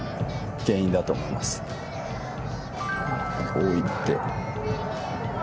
こういって。